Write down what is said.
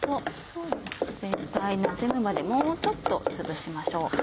全体なじむまでもうちょっとつぶしましょう。